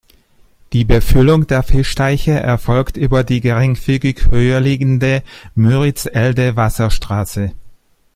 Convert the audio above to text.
Die Befüllung der Fischteiche erfolgt über die geringfügig höher liegende Müritz-Elde-Wasserstraße.